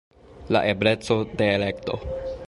La ebleco de elekto.